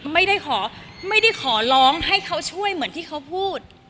ไม่ได้ขอไม่ได้ขอร้องให้เขาช่วยเหมือนที่เขาพูด